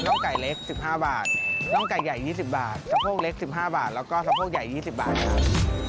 ไก่เล็ก๑๕บาทน่องไก่ใหญ่๒๐บาทสะโพกเล็ก๑๕บาทแล้วก็สะโพกใหญ่๒๐บาทครับ